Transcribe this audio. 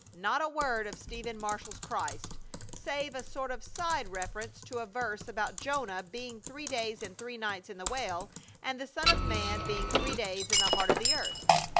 Not a word of Stephen Marshall's Christ, save a sort of side reference to a verse about Jonah being three days and three nights in the whale, and the Son of Man being three days in the heart of the earth.